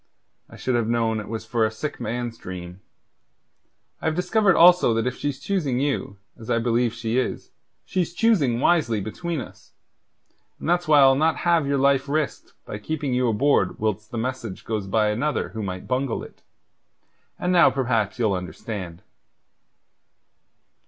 I should have known it for a sick man's dream. I have discovered also that if she's choosing you, as I believe she is, she's choosing wisely between us, and that's why I'll not have your life risked by keeping you aboard whilst the message goes by another who might bungle it. And now perhaps ye'll understand."